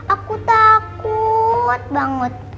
aku takut banget